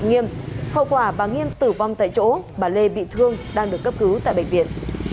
nghiêm hậu quả bà nghiêm tử vong tại chỗ bà lê bị thương đang được cấp cứu tại bệnh viện